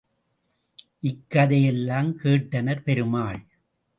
இக்கதை யெல்லாம் கேட்டனர் பெருமாள்.